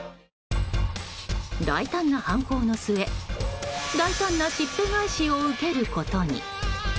大胆な犯行の末大胆なしっぺ返しを受けることに。